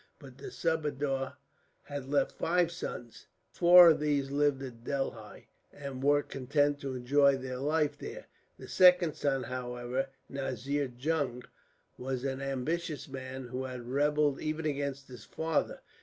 But the subadar had left five sons. Four of these lived at Delhi, and were content to enjoy their life there. The second son, however, Nazir Jung, was an ambitious man, who had rebelled even against his father.